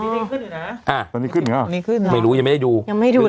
อ๋อมีขึ้นเหรอมีขึ้นหรือหรือเปล่ายังไม่ดู